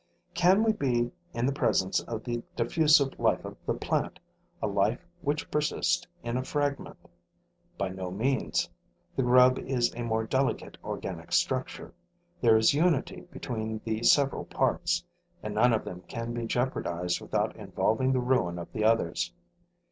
Can we be in the presence of the diffusive life of the plant, a life which persists in a fragment? By no means: the grub is a more delicate organic structure. There is unity between the several parts; and none of them can be jeopardized without involving the ruin of the others.